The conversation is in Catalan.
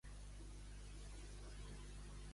Els de Morvedre són pixavins.